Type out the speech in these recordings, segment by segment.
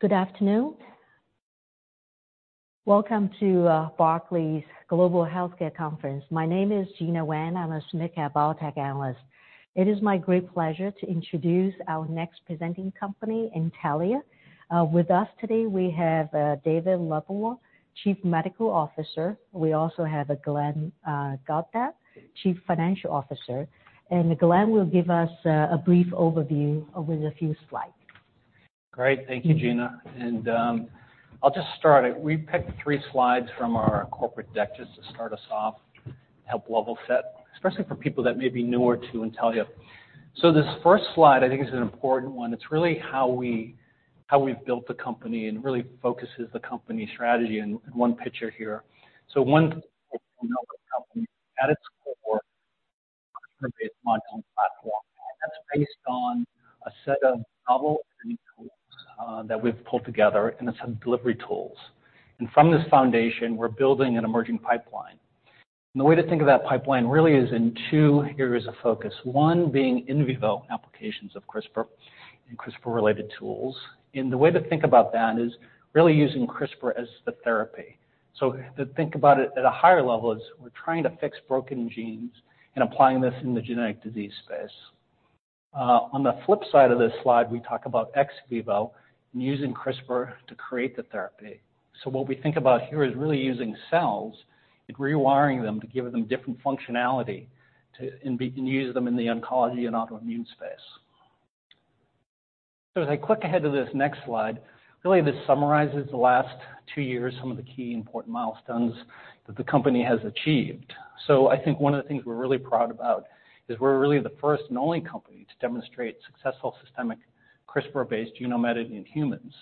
Good afternoon. Welcome to Barclays Global Healthcare Conference. My name is Gena Wang. I'm a SMID Cap biotech analyst. It is my great pleasure to introduce our next presenting company, Intellia. With us today, e have David Lebwohl, Chief Medical Officer. We also have Glenn Goddard, Chief Financial Officer. Glenn will give us a brief overview over the few slides. Great. Thank you, Gena. I'll just start. We picked three slides from our corporate deck just to start us off, help level set, especially for people that may be newer to Intellia. This first slide I think is an important one. It's really how we've built the company and really focuses the company strategy in one picture here. One at its core based platform that's based on a set of novel tools that we've pulled together, and it's on delivery tools. From this foundation, we're building an emerging pipeline. The way to think of that pipeline really is in two areas of focus. One being in vivo applications of CRISPR and CRISPR related tools. The way to think about that is really using CRISPR as the therapy. To think about it at a higher level is we're trying to fix broken genes and applying this in the genetic disease space. On the flip side of this slide, we talk about ex vivo and using CRISPR to create the therapy. What we think about here is really using cells and rewiring them to give them different functionality to and use them in the oncology and autoimmune space. As I click ahead to this next slide, really this summarizes the last two years, some of the key important milestones that the company has achieved. I think one of the things we're really proud about is we're really the first and only company to demonstrate successful systemic CRISPR-based genome editing in humans.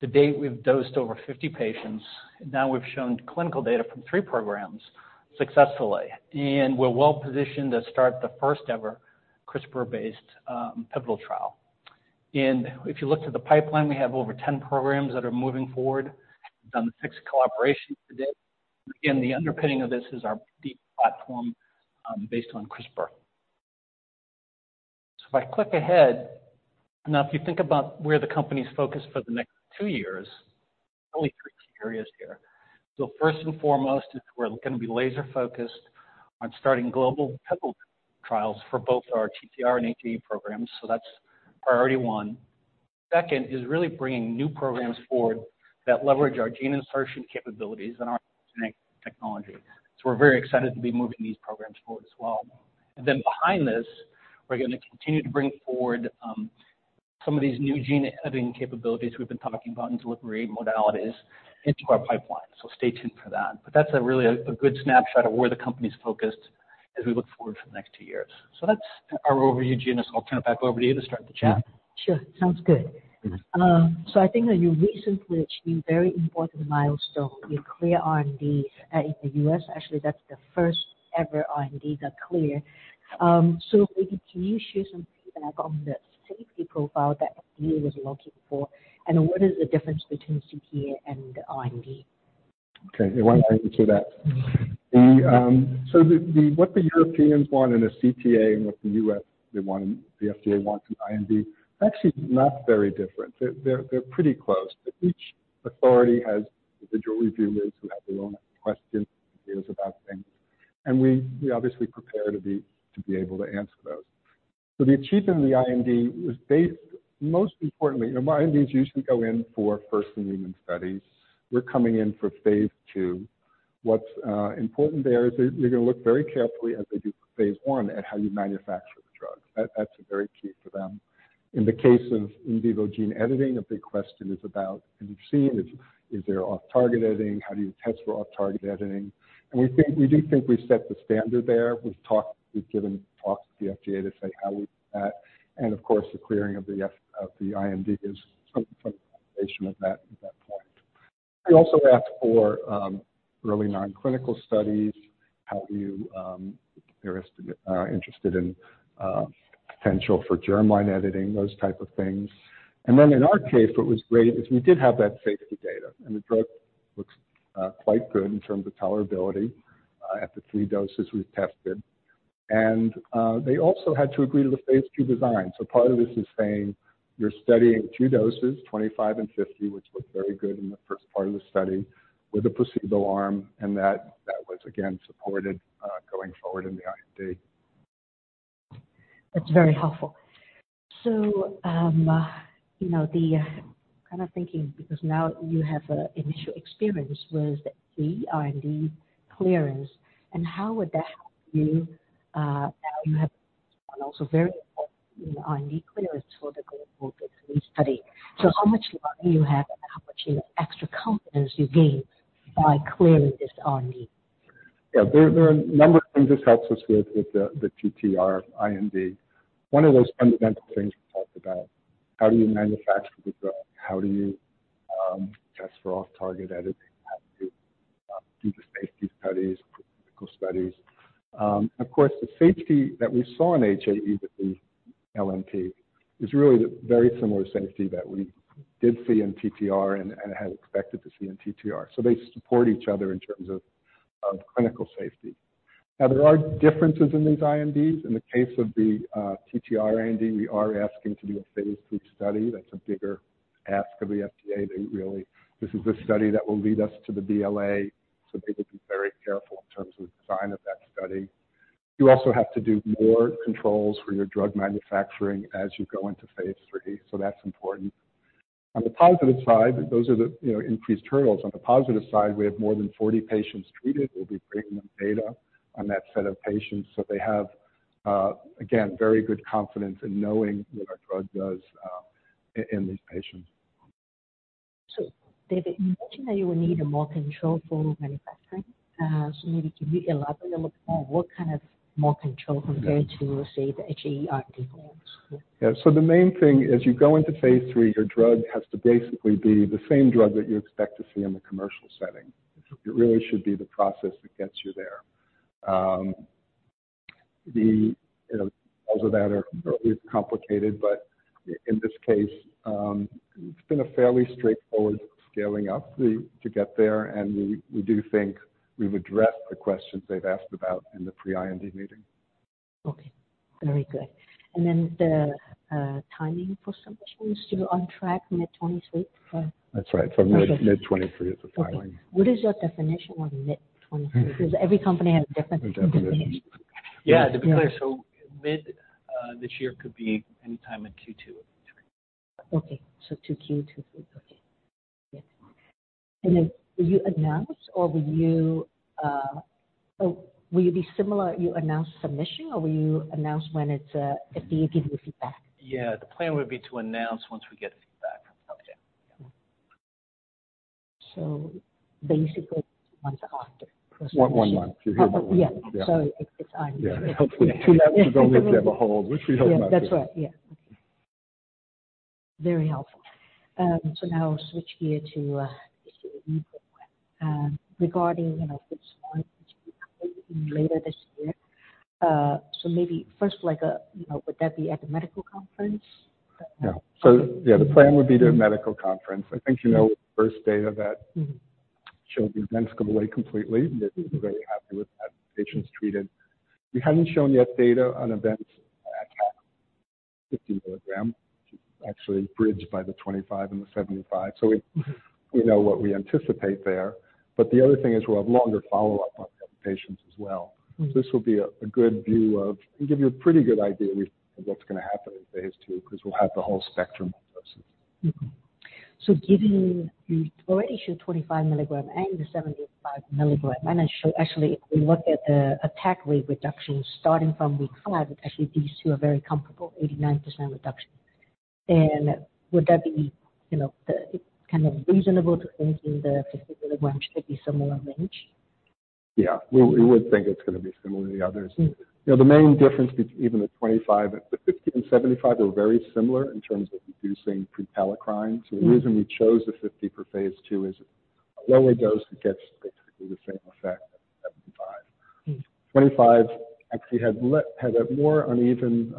To date, we've dosed over 50 patients. Now we've shown clinical data from three programs successfully, we're well-positioned to start the first ever CRISPR-based pivotal trial. If you look to the pipeline, we have over 10 programs that are moving forward. We've done six collaborations to date. The underpinning of this is our deep platform based on CRISPR. If I click ahead, now if you think about where the company's focused for the next two years, only three key areas here. First and foremost is we're gonna be laser-focused on starting global pivotal trials for both our TTR and HAE programs that's priority one. Second is really bringing new programs forward that leverage our gene insertion capabilities and our genetic technology. We're very excited to be moving these programs forward as well. Behind this, we're gonna continue to bring forward, some of these new gene editing capabilities we've been talking about in delivery modalities into our pipeline. Stay tuned for that. That's a really, a good snapshot of where the company's focused as we look forward for the next two years. That's our overview, Gena. I'll turn it back over to you to start the chat. Sure. Sounds good. I think that you recently achieved very important milestone with clear IND in the US. Actually, that's the first ever IND that cleared. Can you share some feedback on the safety profile that FDA was looking for, and what is the difference between CTA and IND? Okay. Well, thank you for that. The what the Europeans want in a CTA and what the U.S., they want and the FDA wants in IND, actually it's not very different. They're pretty close, but each authority has individual reviewers who have their own questions, ideas about things, and we obviously prepare to be able to answer those. The achievement in the IND was based, most importantly, you know, INDs usually go in for first in human studies. We're coming in for phase II. What's important there is they're gonna look very carefully as they do for phase I at how you manufacture the drugs. That's very key for them. In the case of in vivo gene editing, a big question is about, have you seen, is there off-target editing? How do you test for off-target editing? We think, we do think we set the standard there. We've talked, we've given talks to the FDA to say how we do that, and of course, the clearing of the IND is some validation of that at that point. They also ask for early non-clinical studies. How do you, they're interested in potential for germline editing, those type of things. In our case, what was great is we did have that safety data, and the drug looks quite good in terms of tolerability at the three doses we've tested. They also had to agree to the phase two design. Part of this is saying you're studying two doses, 25 and 50, which looked very good in the first part of the study with a placebo arm, and that was again supported, going forward in the IND. That's very helpful. You know, the kind of thinking because now you have a initial experience with the IND clearance, and how would that help you, now you have also very important IND clearance for the global phase III study. How much luck do you have and how much extra confidence you gain by clearing this IND? There are a number of things this helps us with the TTR IND. One of those fundamental things we talked about, how do you manufacture the drug? How do you test for off-target editing? How do you do the safety studies, pre-clinical studies? Of course, the safety that we saw in HAE with the [LFT] is really the very similar safety that we did see in TTR and had expected to see in TTR. They support each other in terms of. Of clinical safety. There are differences in these INDs. In the case of the TTR IND, we are asking to do a phase II study. That's a bigger ask of the FDA. This is the study that will lead us to the BLA, so they will be very careful in terms of the design of that study. You also have to do more controls for your drug manufacturing as you go into phase III, so that's important. On the positive side, those are the, you know, increased hurdles. On the positive side, we have more than 40 patients treated. We'll be bringing them data on that set of patients. They have, again, very good confidence in knowing what our drug does in these patients. David, you mentioned that you will need a more controlled form of manufacturing. Maybe can you elaborate a little bit more what kind of more control compared to, say, the HAE RD forms? The main thing, as you go into phase III, your drug has to basically be the same drug that you expect to see in the commercial setting. It really should be the process that gets you there. The, you know, parts of that are always complicated, but in this case, it's been a fairly straightforward scaling up to get there. We do think we've addressed the questions they've asked about in the pre-IND meeting. Okay. Very good. The timing for submission is still on track mid 2023? That's right. From mid 2023 is the filing. Okay. What is your definition of mid 2023? Every company has a different definition. A definition. Yeah. To be clear, mid this year could be any time in Q2 of 2023. Okay. 2 Q2, 2023. Okay. Good. Will you announce or will you be similar, you announce submission, or will you announce when it's FDA give you feedback? Yeah. The plan would be to announce once we get feedback from subject. Yeah. Basically once a quarter. One month. You hear from them. Oh, yeah. Sorry. It's on you. Yeah. Hopefully two months don't make that a whole. We should hope not. Yeah. That's right. Yeah. Okay. Very helpful. Now switch gear to the we report. Regarding, you know, this one which will be coming later this year. Maybe first like, you know, would that be at the medical conference? Yeah. Yeah, the plan would be to have medical conference. I think, you know, the first data. Showed the events go away completely. We're very happy with that. Patients treated. We haven't shown yet data on events at 50 mg. Actually bridged by the 25 mg and the 75 mg. We know what we anticipate there. The other thing is we'll have longer follow-up on the patients as well. It'll give you a pretty good idea of what's gonna happen in phase II, 'cause we'll have the whole spectrum of doses. Given you've already issued 25 mg and the 75 mg, I show actually if we look at the attack rate reduction starting from week five, actually these two are very comparable, 89% reduction. Would that be, you know, kind of reasonable to think in the particular range, maybe similar range? Yeah. We would think it's going to be similar to the other the main difference between even the 25 mg, the 50 mg and 75 mg are very similar in terms of reducing prekallikrein. The reason we chose the 50 mg for phase II is a lower dose that gets basically the same effect as 75 mg. 25 mg actually had a more uneven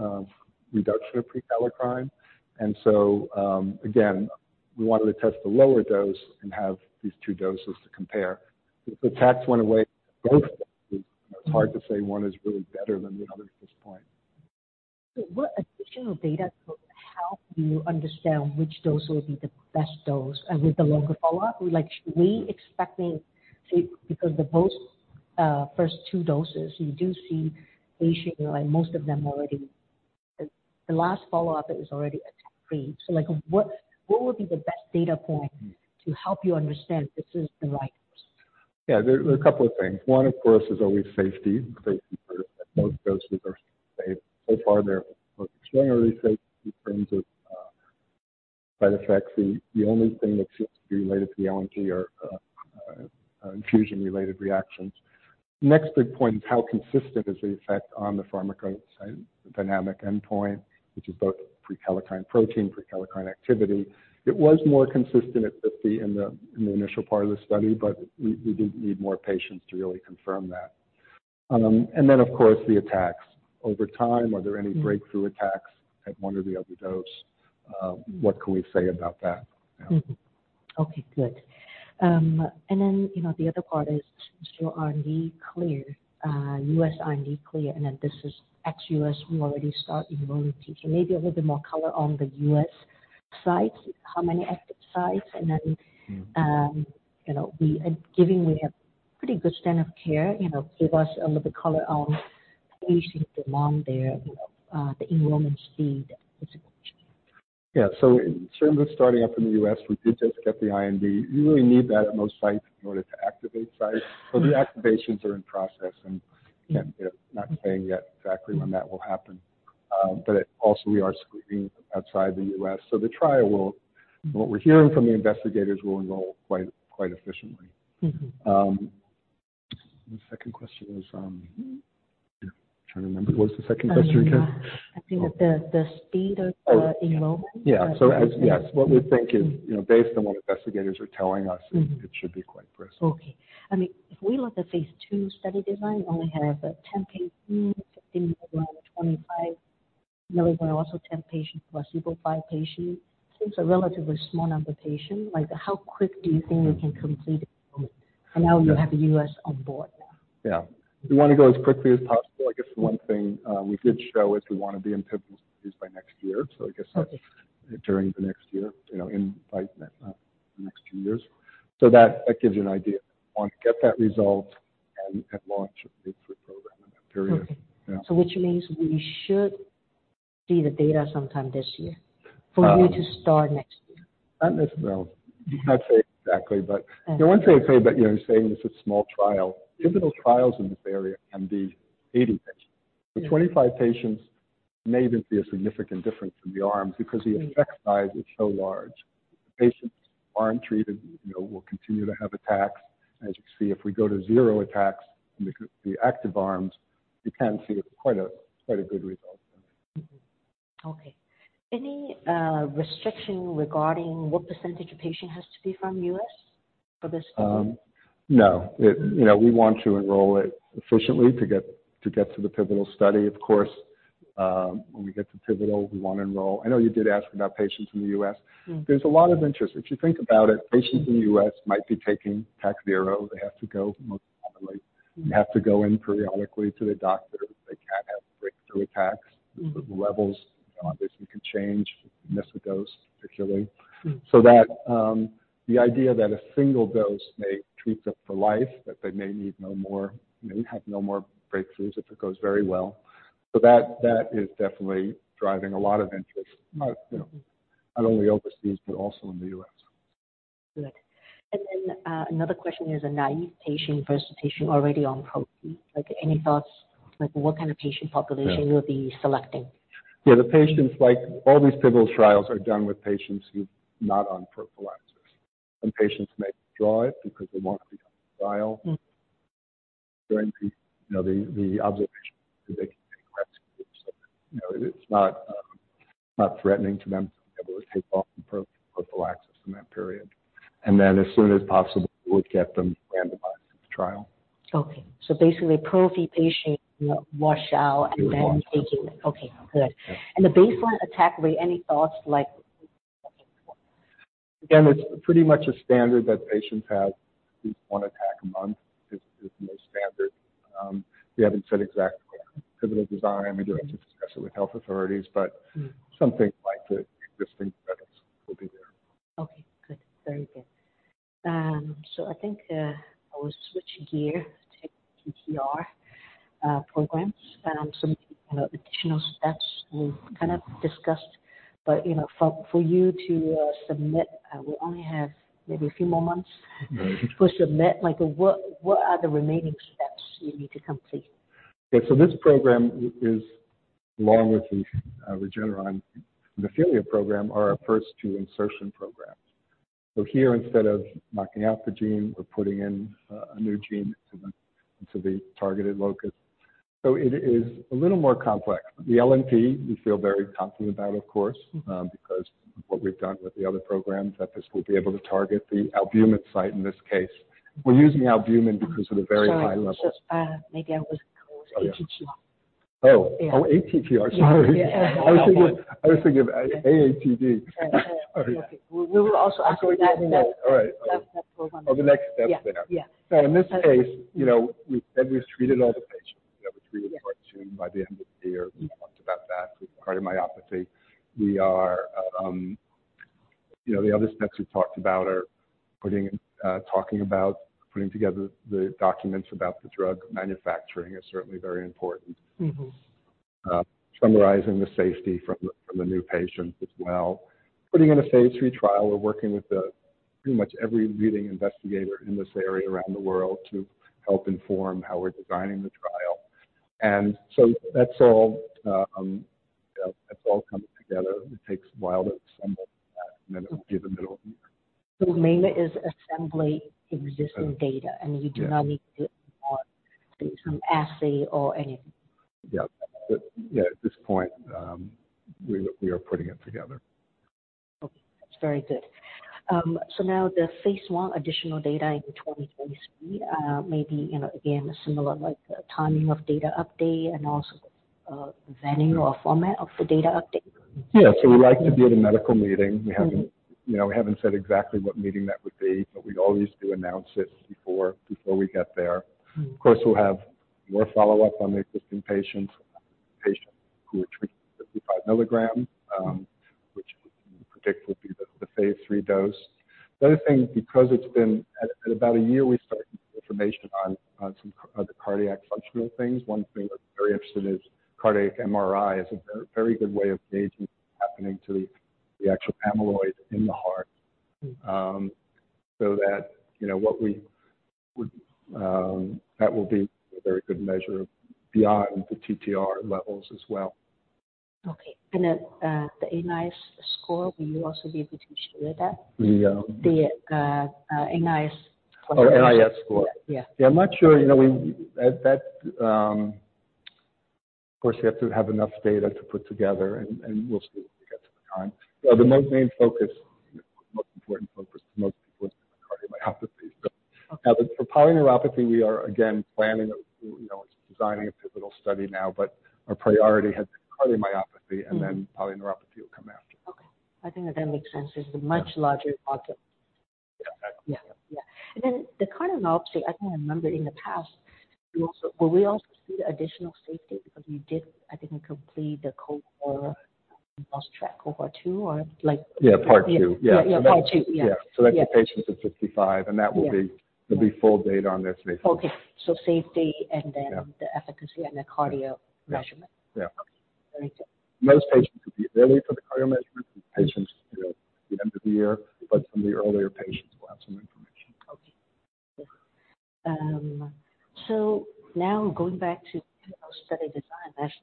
reduction of prekallikrein. Again, we wanted to test the lower dose and have these two doses to compare. If attacks went away, both, it's hard to say one is really better than the other at this point. What additional data could help you understand which dose will be the best dose with the longer follow-up? Like, should we expecting to because the post first two doses, you do see HAE, like most of them already. The last follow-up is already attack free. Like, what would be the best data point to help you understand this is the right dose? There are a couple of things. One, of course, is always safety. Safety first. At both doses are safe. So far, they're both extremely safe in terms of side effects. The only thing that seems to be related to the allergy are infusion-related reactions. Next big point is how consistent is the effect on the pharmacodynamic endpoint, which is both prekallikrein protein, prekallikrein activity. It was more consistent at 50 in the initial part of the study, but we do need more patients to really confirm that. Then, of course, the attacks over time. Are there any breakthrough attacks at one or the other dose? What can we say about that? Okay, good. You know, the other part is, so on the clear, U.S. RMD clear, and then this is ex-U.S., we already start enrolling patients. Maybe a little bit more color on the U.S. sites, how many active sites? You know, we are giving, we have pretty good standard of care. You know, give us a little bit color on how you see demand there, you know, the enrollment speed, if you could. Yeah. In terms of starting up in the U.S., we did just get the IND. You really need that at most sites in order to activate sites. The activations are in process, and again, not saying yet exactly when that will happen. Also, we are screening outside the U.S. The trial from what we're hearing from the investigators will enroll quite efficiently. The second question was, yeah. I'm trying to remember, what was the second question again? I think the speed of the enrollment. Yeah. Yes. What we think is, you know, based on what investigators are telling us. Mm. it should be quite brisk. Okay. I mean, if we look at phase II study design only have 10 patients in 25. The other one also 10 patients, placebo five patients. It's a relatively small number of patients. Like how quick do you think you can complete enrollment? Now you have the U.S. on board now. Yeah. We want to go as quickly as possible. I guess one thing, we did show is we want to be in pivotal studies by next year. I guess that's. Okay. during the next year, you know, in, by, the next two years. That gives you an idea. We want to get that result and launch a good program in that period. Okay. Yeah. Which means we should see the data sometime this year for you to start next year. Not necessarily. Can't say exactly, but- Okay. The one thing I'd say, you know, you're saying it's a small trial. Pivotal trials in this area can be 80 patients. Yeah. 25 patients may even see a significant difference from the arms because the effect size is so large. The patients who aren't treated, you know, will continue to have attacks. As you can see, if we go to zero attacks in the active arms, you can see quite a good result. Okay. Any restriction regarding what percentage of patient has to be from U.S. for this study? No. It, you know, we want to enroll it efficiently to get to the pivotal study. Of course, when we get to pivotal, we want to enroll. I know you did ask about patients in the U.S. Mm. There's a lot of interest. If you think about it. Mm. patients in the U.S. might be taking Tacrolimus. They have to go, most commonly, they have to go in periodically to the doctor. They can have breakthrough attacks. Mm. The levels, obviously, can change. Miss a dose, particularly. Mm. The idea that a single dose may treat them for life, that they may need no more, may have no more breakthroughs if it goes very well. That, that is definitely driving a lot of interest, not, you know, not only overseas, but also in the U.S. Good. Another question is a naive patient versus patient already on prophy. Like, any thoughts, like what kind of patient population? Yeah. you'll be selecting? Yeah. The patients like all these pivotal trials are done with patients who've not on prophylactics. Some patients may withdraw it because they want to be on the trial. Mm. During the, you know, the observation that they can take rescue drugs so that, you know, it's not not threatening to them to be able to take off the prophylaxis in that period. Then as soon as possible, we'll get them randomized in the trial. Okay. Basically, prophy patient, you know, wash out and then taking it. Wash out. Okay, good. Yeah. The baseline attack rate, any thoughts like? It's pretty much a standard that patients have at least one attack a month is the most standard. We haven't said exactly pivotal design. We do have to discuss it with health authorities. Mm. Something like the existing credits will be there. Okay, good. Very good. I think I will switch gear to TTR programs. Some, you know, additional steps we've kind of discussed. You know, for you to submit, we only have maybe a few more months. Right. To submit. Like, what are the remaining steps you need to complete? This program is, along with the Regeneron hemophilia program, are our first two insertion programs. Here, instead of knocking out the gene, we're putting in a new gene into the targeted locus. It is a little more complex. The LNP we feel very confident about, of course. Mm-hmm. What we've done with the other programs that this will be able to target the albumin site in this case. We're using albumin because of the very high levels. Sorry. Just, maybe I was confused. ATTR. Oh. Yeah. Oh, ATTR. Sorry. Yeah. I was thinking AATD. Sorry. Okay. We were also asking that. We know. All right. That program. Oh, the next steps there. Yeah. Yeah. In this case, you know, we said we've treated all the patients. You know, we're treating part two by the end of the year. Mm. We talked about that with cardiomyopathy. We are, you know, the other steps we've talked about are talking about putting together the documents about the drug manufacturing is certainly very important. Mm-hmm. Summarizing the safety from the, from the new patients as well. Putting in a phase three trial. We're working with pretty much every leading investigator in this area around the world to help inform how we're designing the trial. That's all, you know, that's all coming together. It takes a while to assemble that, and then it'll be the middle of the year. mainly is assembly existing data. Yeah. You do not need to do more, say, some assay or anything. Yeah. Yeah, at this point, we are putting it together. Okay. That's very good. Now the phase I additional data in 2023, maybe, you know, again, similar like timing of data update and also, venue or format of the data update? Yeah. We like to be at a medical meeting. Mm-hmm. We haven't, you know, we haven't said exactly what meeting that would be, but we always do announce it before we get there. Mm. Of course, we'll have more follow-up on the existing patients who are treated 55 mg, which we predict will be the phase III dose. The other thing, because it's been about a year, we started information on some the cardiac functional things. One thing we're very interested in is cardiac MRI is a very good way of gauging what's happening to the actual amyloid in the heart. That, you know, what we would, that will be a very good measure of beyond the TTR levels as well. Okay. The NIS score, will you also be able to share that? The, The NIS score. Oh, NIS score. Yeah. Yeah, I'm not sure. You know, That, of course, you have to have enough data to put together and we'll see as we get to the time. The most main focus, most important focus to most people. For polyneuropathy, we are again planning, you know, designing a pivotal study now, but our priority has been cardiomyopathy, and then polyneuropathy will come after. Okay. I think that makes sense. It's a much larger problem. Yeah. Yeah. Yeah. The cardiomyopathy, I can remember in the past, will we also see the additional safety because you did, I think, complete the cohort, lost track cohort two? Yeah, part two. Yeah, yeah, part two. Yeah. Yeah. That's the patients of 55, and that will be full data on those patients. Okay. safety and then Yeah. The efficacy and the cardio measurement. Yeah. Okay. Thank you. Most patients will be early for the cardio measurement, patients, you know, the end of the year, but some of the earlier patients will have some information. Okay. Now going back to study design, that's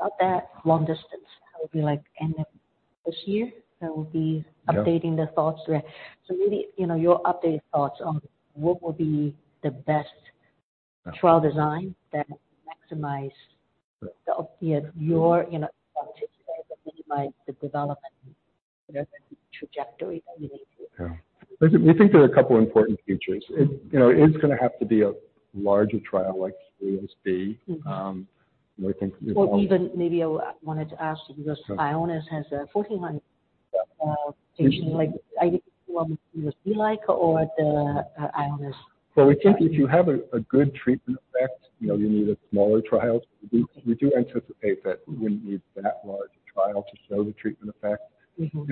not that long distance. That would be like end of this year. Yeah. updating the thoughts. Really, you know, your updated thoughts on what will be the best trial design that minimize the development trajectory that you need to? Yeah. We think there are a couple important features. It, you know, it is gonna have to be a larger trial like HELIOS-B. Um, and I think- Even maybe I wanted to ask you because Ionis has a 1,400 patient. Like, I think you want HELIOS-B like or the Ionis? I think if you have a good treatment effect, you know, you need a smaller trial. We do anticipate that we wouldn't need that large a trial to show the treatment effect.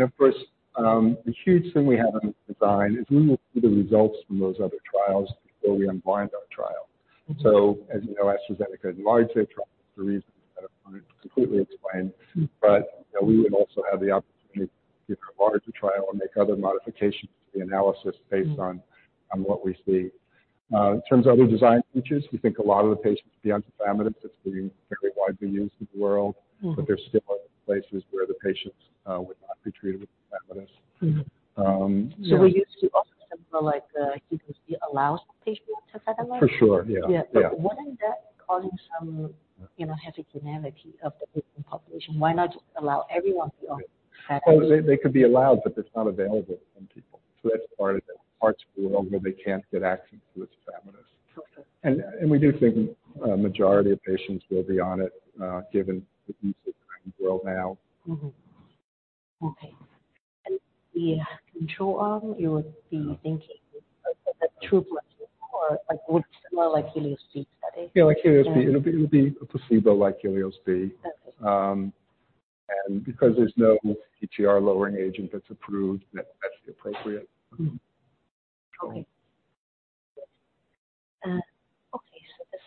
Of course, the huge thing we have in design is we will see the results from those other trials before we unblind our trial. As you know, AstraZeneca enlarged their trial for reasons that are completely explained. You know, we would also have the opportunity to enlarge the trial and make other modifications to the analysis based on what we see. In terms of other design features, we think a lot of the patients will be on supplements. It's being very widely used in the world. There still are places where the patients would not be treated with supplements. We're used to also similar like, HELIOS-B allows the patient to supplement? For sure, yeah. Yeah. Wouldn't that cause some, you know, heterogeneity of the patient population? Why not allow everyone to supplement? They could be allowed, but that's not available to some people. That's part of it. Parts of the world where they can't get access to the supplements. Okay. We do think a majority of patients will be on it, given the use of it around the world now. Mm-hmm. Okay. The control arm, you would be thinking a two plus or like, would similar like HELIOS-B study? Yeah, like HELIOS-B. It'll be a placebo like HELIOS-B. Okay. Because there's no TTR lowering agent that's approved, that's the appropriate. Mm-hmm. Okay.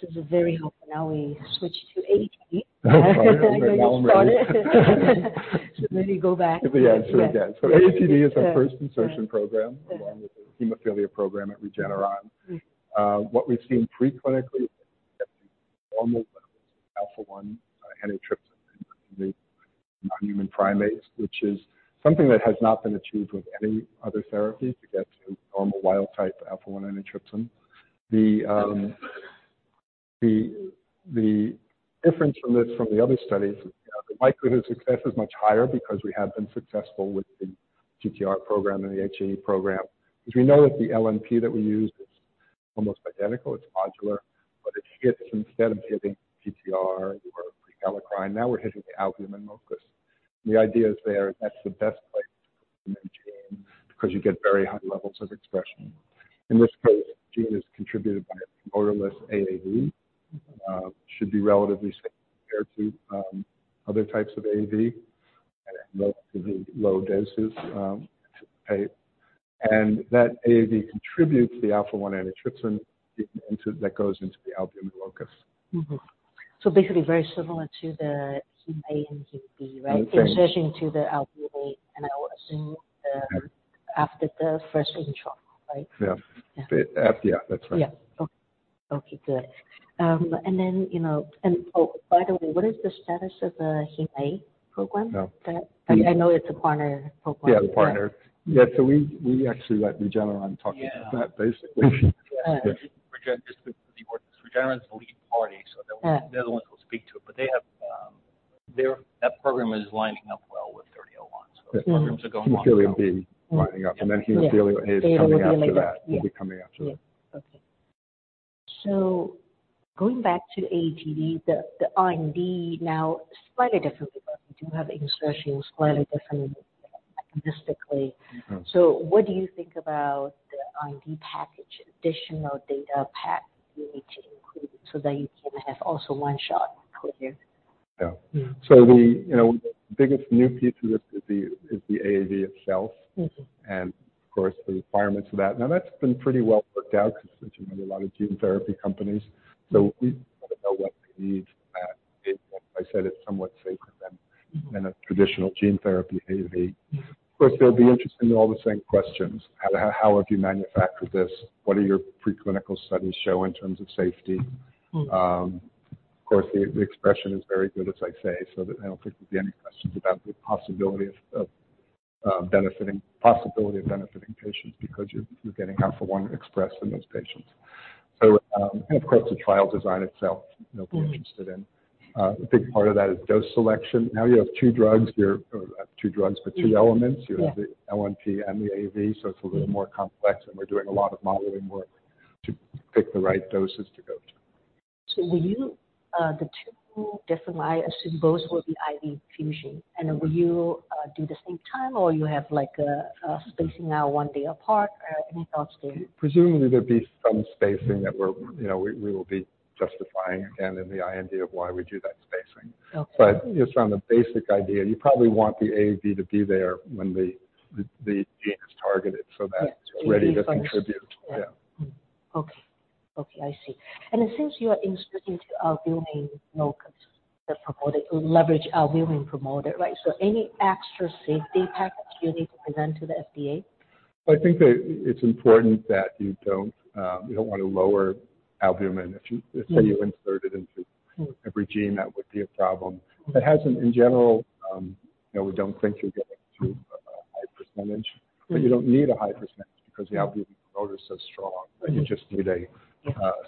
This is very helpful. Now we switch to ATTR. I know you started. Let me go back. To the answer again. ATTR is our first insertion program along with the hemophilia program at Regeneron. What we've seen preclinically is that the normal levels of alpha-1 antitrypsin in non-human primates, which is something that has not been achieved with any other therapy to get to normal wild type alpha-1 antitrypsin. The, the difference from this from the other studies is, you know, the likelihood of success is much higher because we have been successful with the TTR program and the HAE program. Because we know that the LNP that we use is almost identical. It's modular, but it hits, instead of hitting TTR or prekallikrein, now we're hitting the albumin locus. The idea is there, that's the best place to put the new gene because you get very high levels of expression. In this case, gene is contributed by a promoterless AAV. Should be relatively safe compared to other types of AAV at relatively low doses to take. That AAV contributes the alpha-1 antitrypsin that goes into the albumin locus. Mm-hmm. Basically very similar to the [HEMA] and [HEMB], right? Thanks. Insertion to the albumin, and I would assume the, after the first control, right? Yeah. Yeah. After, yeah, that's right. Yeah. Okay, good. Then, you know, oh, by the way, what is the status of the [HEMA] program? Yeah. I know it's a partner program. Yeah, the partner. Yeah. We actually let Regeneron talk about that, basically. Regeneron, just to be clear. Regeneron is the lead party, so they're the ones who will speak to it. They have that program is lining up well with NTLA-3001. Those programs are going well. Hemophilia B lining up, and then hemophilia A is coming after that. Yeah. Okay. Going back to ATTR, the R&D now slightly differently, but we do have insertions slightly differently mechanistically. Mm-hmm. What do you think about the R&D package, additional data pack you need to include so that you can have also one shot for here? Yeah. You know, the biggest new piece of this is the AAV itself. Of course, the requirements of that. Now, that's been pretty well worked out because as you know, a lot of gene therapy companies, we know what they need. As I said, it's somewhat safer than a traditional gene therapy AAV. Of course, they'll be interested in all the same questions. How have you manufactured this? What are your preclinical studies show in terms of safety? Of course, the expression is very good, as I say, so that I don't think there'll be any questions about the possibility of benefiting patients because you're getting alpha-1 expressed in those patients. And of course, the trial design itself, you know, we're interested in. A big part of that is dose selection. Now you have two drugs, two drugs, but two elements. You have the LNP and the AAV, so it's a little more complex, and we're doing a lot of modeling work to pick the right doses to go to. Will you, the two different, I assume both will be IV infusion? Will you, do the same time, or you have like a spacing out one day apart? Any thoughts there? Presumably there'd be some spacing that we're, you know, we will be justifying again in the IND of why we do that spacing. Okay. Just on the basic idea, you probably want the AAV to be there when the gene is targeted so that... Yes. It's ready to contribute. Yeah. Yeah. Okay. Okay. I see. Since you are inserting into albumin promoters, leverage albumin promoter, right? Any extra safety package you need to present to the FDA? I think that it's important that you don't wanna lower albumin. If you. Yeah. Let's say you insert it into every gene, that would be a problem. It hasn't in general, you know, we don't think you're getting to a high percentage, but you don't need a high percentage 'cause the albumin promoter is so strong that you just need a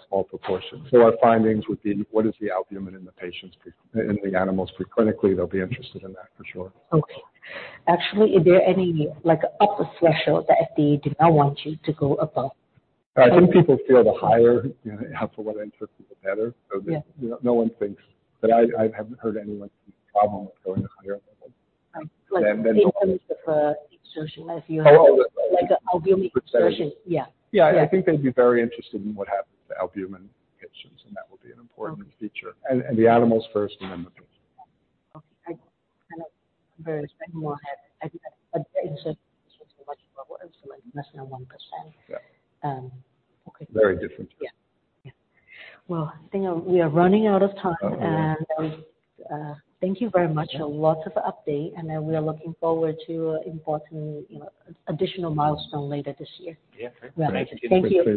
small proportion. Our findings would be what is the albumin in the patients in the animals pre-clinically? They'll be interested in that for sure. Okay. Actually, is there any like upper threshold the FDA do not want you to go above? I think people feel the higher you have for what interest, the better. Yeah. No one thinks that I haven't heard anyone problem with going to higher levels. Like in terms of, insertion. Oh. Like albumin expression. Yeah. Yeah. I think they'd be very interested in what happens to albumin patients, and that would be an important feature. The animals first and then the patients. Okay. I kind of very expecting more ahead. I think that insertion level is like less than 1%. Yeah. Okay. Very different. Yeah. Well, I think we are running out of time. Okay. Thank you very much. A lot of update, and then we are looking forward to important, you know, additional milestone later this year. Yeah. Great. Thank you.